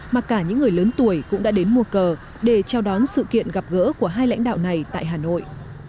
mà cả những người lớn tuổi cũng đã đến mua cờ để chào đón sự kiện gặp gỡ của hai lãnh đạo này tại hà nội